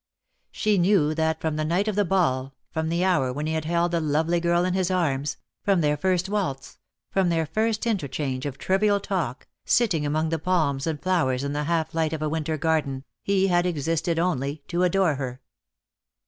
She knew that from the night of the ball, from the hour when he had held the lovely girl in his arms, from their first waltz, from their first interchange of trivial talk, sitting among the palms and flowers in the half light of a winter garden, he had existed only to adore her.